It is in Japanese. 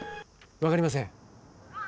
分かりません。